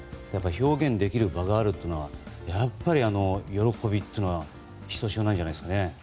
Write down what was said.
表現できる場があるというのはやっぱり喜びというのはひとしおなんじゃないですかね。